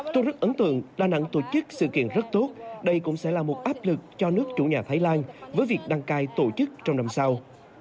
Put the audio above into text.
tôi rất ấn tượng đà nẵng tổ chức sự kiện rất tốt đây cũng sẽ là một áp lực cho nước chủ nhà thái lan với việc đăng cai tổ chức trong năm sau